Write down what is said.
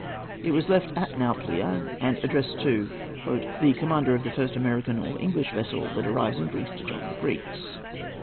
It was left at Nauplia and addressed to "the commander of the first American or English vessel that arrives in Greece to join the Greeks."